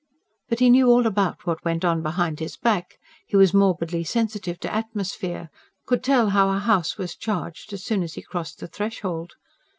But he knew all about what went on behind his back: he was morbidly sensitive to atmosphere; could tell how a house was charged as soon as he crossed the threshold.